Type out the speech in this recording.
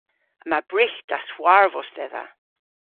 Yma brygh dashwarvos dhedha.